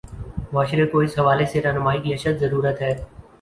معاشرے کو اس حوالے سے راہنمائی کی اشد ضرورت ہے۔